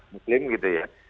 muslim gitu ya